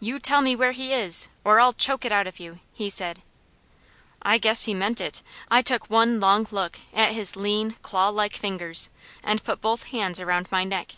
"You tell me where he is, or I'll choke it out of you," he said. I guess he meant it. I took one long look at his lean, clawlike fingers, and put both hands around my neck.